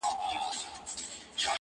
چي په کلي کي غوايي سره په جنګ سي!